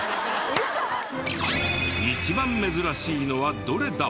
一番珍しいのはどれだ？